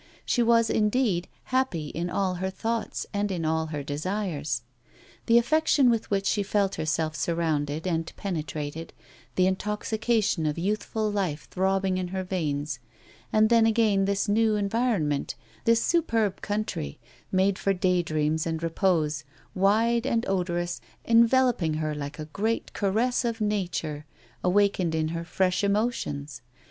She was, indeed, happy in all her thoughts and in all her desires. The affection with which she felt herself surrounded and penetrated, the intoxication of youthful life throbbing in her veins, and then again this new environment, this superb country, made for daydreams and repose, wide and odorous, enveloping her like a great caress of nature, awakened in her fresh emotions.